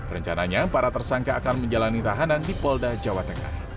rencananya para tersangka akan menjalani tahanan di polda jawa tengah